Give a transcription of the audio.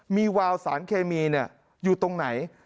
มีวาวสารเคมีอยู่ตรงไหน